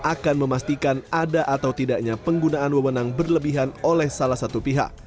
akan memastikan ada atau tidaknya penggunaan wewenang berlebihan oleh salah satu pihak